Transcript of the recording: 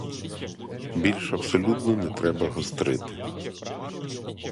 Більш абсолютно не треба гострити.